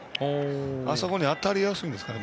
あそこに当たりやすいんですかね